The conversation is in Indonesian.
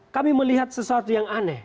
kami melihat sesuatu yang aneh